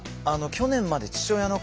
去年まで父親の介護